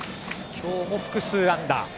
今日も複数安打。